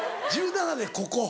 １７でここ？